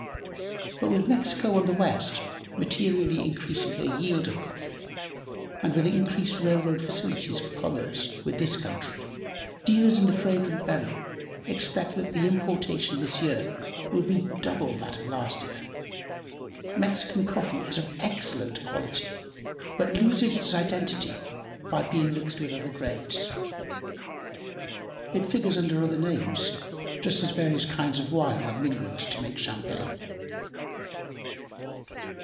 But with Mexico on the west materially increasing her yield of coffee, and with increased railroad facilities for commerce with this country, dealers in the fragrant berry expect that the importation this year will be double that of last year. Mexican coffee is of excellent quality, but loses its identity by being mixed with other grades. It figures under other names, just as various kinds of wine are mingled to make champagne.